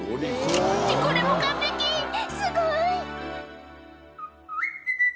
これも完璧すごい！